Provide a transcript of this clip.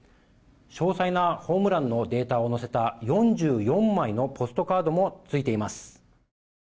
詳細なホームランのデータを載せた４４枚のポストカードも付いています。